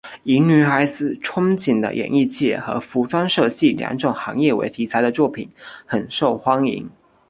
以女孩子憧憬的演艺界和服装设计两种行业为题材的作品很受欢迎。